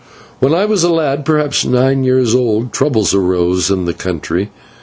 When I was a lad, perhaps nine years old, troubles arose in the country.